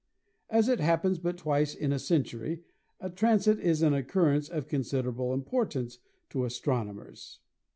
As it happens but twice in a cen tury a transit is an occurrence of considerable importance to astronomers.